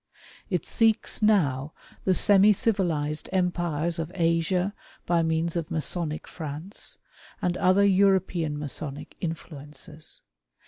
It seeks now the semi civilized empires of Asia by means of Masonic France, and other European Masonic influences.